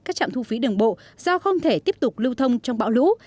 các trạm thu phí đường bộ do không thể tiếp tục lưu thông trong bão lũ